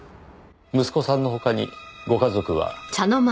息子さんの他にご家族は？